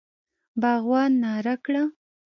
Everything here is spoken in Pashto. باغوان ناره کړه!